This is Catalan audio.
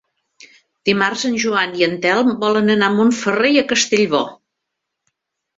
Dimarts en Joan i en Telm volen anar a Montferrer i Castellbò.